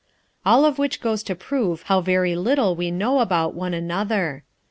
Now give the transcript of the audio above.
All of which goes to prove how very little we know about one another.